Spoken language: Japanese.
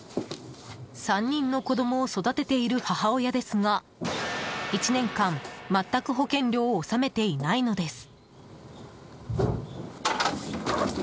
３人の子供を育てている母親ですが１年間全く保険料を納めていないのです。